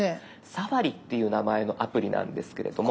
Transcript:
「Ｓａｆａｒｉ」っていう名前のアプリなんですけれども。